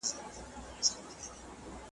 هغوی به په ورين تندي د مېلمنو هرکلی وکړي.